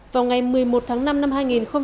vào ngày một mươi một tháng năm năm hai nghìn hai mươi